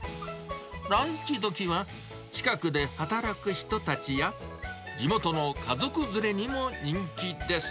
ランチ時は、近くで働く人たちや、地元の家族連れにも人気です。